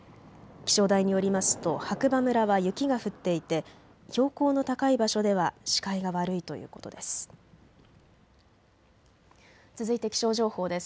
気象台によりますと、白馬村は雪が降っていて標高の高い場所では視界が悪いということです。